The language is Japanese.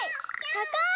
たかい！